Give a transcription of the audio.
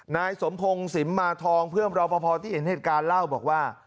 นายสมพงศ์สิมมาทองเพื่อนรอปภที่เห็นเหตุการณ์เล่าบอกว่า